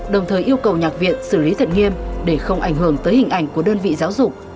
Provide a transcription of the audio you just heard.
đồng thời yêu cầu nhạc viện xử lý thật nghiêm để không ảnh hưởng tới hình ảnh của đơn vị giáo dục